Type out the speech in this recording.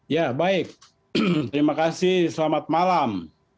ya baik terima kasih selamat malam